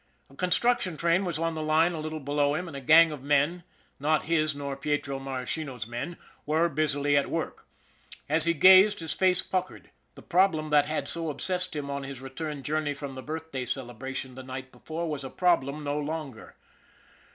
A construction train was on the line a little below him, and a gang of men, not his nor Pietro Maras chino's men, were busily at work. As he gazed, his face puckered. The problem that had so obsessed him on his return journey from the birthday celebration the night before was a problem no longer.